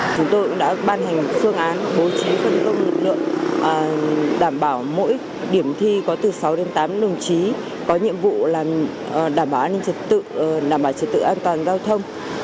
chúng tôi đã ban hành phương án bố trí phân luồng lực lượng đảm bảo mỗi điểm thi có từ sáu đến tám đồng chí có nhiệm vụ là đảm bảo trật tự an toàn giao thông